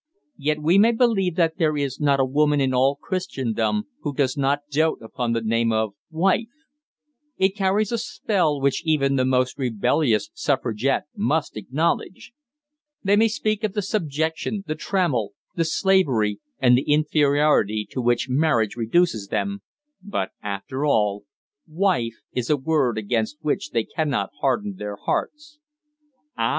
Yet we may believe that there is not a woman in all Christendom who does not dote upon the name of "wife." It carries a spell which even the most rebellious suffragette must acknowledge. They may speak of the subjection, the trammel, the "slavery," and the inferiority to which marriage reduces them, but, after all, "wife" is a word against which they cannot harden their hearts. Ah!